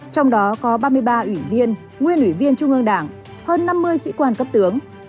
trong đó có ba mươi ba ủy viên nguyên ủy viên trung ương đảng hơn năm mươi sĩ quan cấp tướng